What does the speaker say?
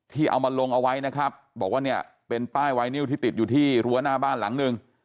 เอามาลงเอาไว้นะครับบอกว่าเนี่ยเป็นป้ายไวนิวที่ติดอยู่ที่รั้วหน้าบ้านหลังหนึ่ง